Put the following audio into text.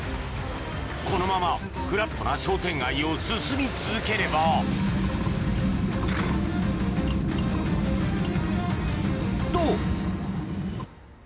このままフラットな商店街を進み続ければと！